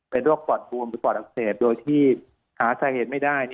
เป็นโรคปอดบวมหรือปอดอักเสบโดยที่หาสาเหตุไม่ได้